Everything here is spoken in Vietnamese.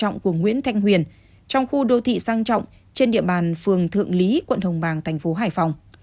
trọng của nguyễn thanh huyền trong khu đô thị sang trọng trên địa bàn phường thượng lý quận hồng bàng thành phố hải phòng